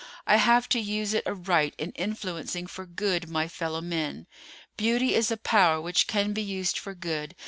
I have to use it aright in influencing for good my fellowmen. Beauty is a power which can be used for good.